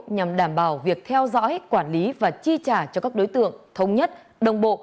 nhằm đảm bảo việc theo dõi quản lý và chi trả cho các đối tượng thống nhất đồng bộ